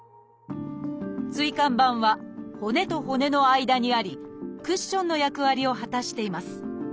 椎間板は骨と骨の間にありクッションの役割を果たしています。